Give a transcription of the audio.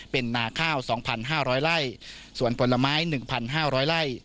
เป็นนาข้าว๒๕๐๐ไร่ส่วนผลไม้๑๕๐๐ไร่